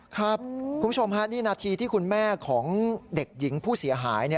คุณผู้ชมฮะนี่นาทีที่คุณแม่ของเด็กหญิงผู้เสียหาย